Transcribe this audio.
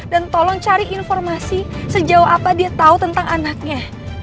dan tolong cari informasi sejauh apa dia tahu tentang anaknya